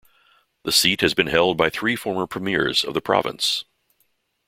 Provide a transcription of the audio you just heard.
The seat has been held by three former premiers of the province.